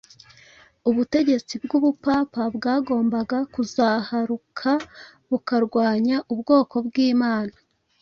ubutegetsi bw’Ubupapa bwagombaga kuzaharuka bukarwanya ubwoko bw’Imana.